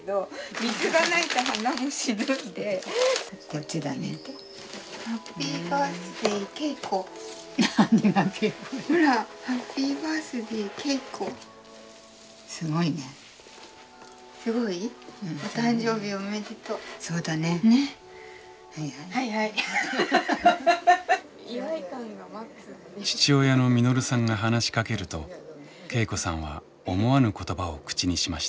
父親の實さんが話しかけると恵子さんは思わぬ言葉を口にしました。